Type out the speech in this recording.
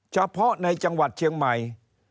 เฉพาะในจังหวัดเชียงใหม่